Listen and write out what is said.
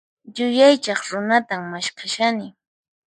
Yuyaychaq runatan maskhashani.